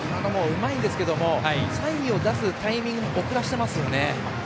うまいんですけどサインを出すタイミング遅らせてますよね。